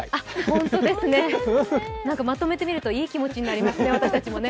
ホトですね、まとめて見るといい気持ちになりますね、私たちもね。